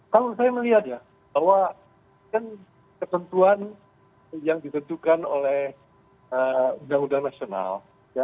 kalau saya melihat ya bahwa kan ketentuan yang ditentukan oleh undang undang nasional